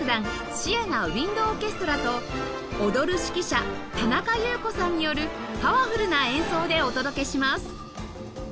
シエナ・ウインド・オーケストラと踊る指揮者田中祐子さんによるパワフルな演奏でお届けします